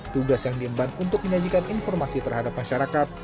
tugas yang diemban untuk menyajikan informasi terhadap masyarakat